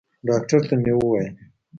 ډاکتر ته مې وويل.